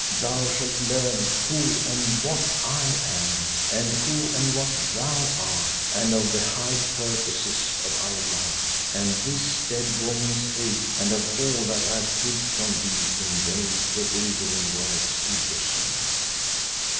Thou shalt learn who and what I am, and who and what thou art, and of the high purposes of our love, and this dead woman's hate, and of all that I have hid from thee in veiled, bewildering words and visions.